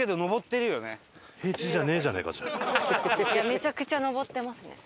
めちゃくちゃ上ってますね。